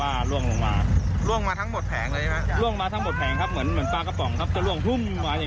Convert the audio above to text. แล้วลักษณะฝ้ามีฝุ่นมีเศษผงมีอะไร